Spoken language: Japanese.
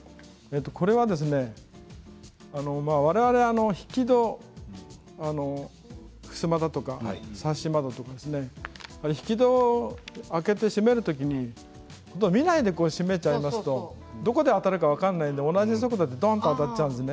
我々、引き戸ふすまだとかサッシなどが引き戸を開けて閉める時に見ないで閉めちゃいますとどこで当たるか分かるので同じ速度で当たっちゃうんですね。